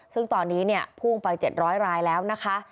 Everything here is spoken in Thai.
ซึ่งตอนนี้พุ่งไป๗๐๐รายแล้วนะคะ